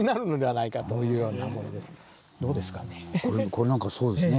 これなんかそうですね。